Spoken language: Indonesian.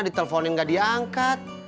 diteleponin gak diangkat